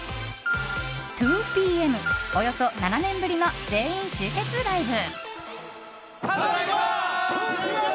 ２ＰＭ、およそ７年ぶりの全員集結ライブ。